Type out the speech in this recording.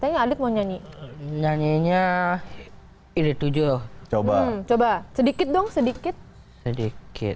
tanya adik mau nyanyi nyanyinya ini tujuh coba coba sedikit dong sedikit sedikit satu ratus dua puluh tiga